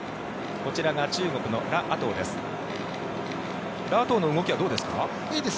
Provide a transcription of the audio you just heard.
こちらが中国のラ・アトウです。